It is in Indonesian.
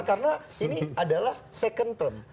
karena ini adalah second term